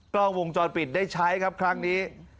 กล้องวงจรปิดได้ใช้ครับครั้งนี้